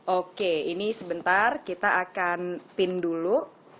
oke ini sebentar kita akan pin dulu